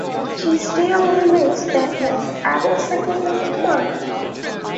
She still remains Batman's able second-in-command.